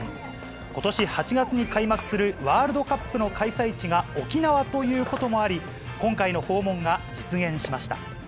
ことし８月に開幕するワールドカップの開催地が、沖縄ということもあり、今回の訪問が実現しました。